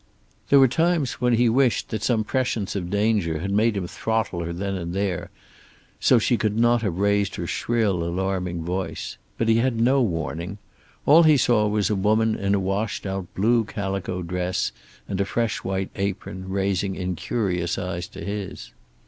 There were times when he wished that some prescience of danger had made him throttle her then and there, so she could not have raised her shrill, alarming voice! But he had no warning. All he saw was a woman in a washed out blue calico dress and a fresh white apron, raising incurious eyes to his.